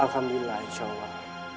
alhamdulillah insya allah